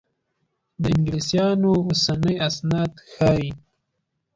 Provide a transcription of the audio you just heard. د انګلیسیانو اوسني اسناد ښيي.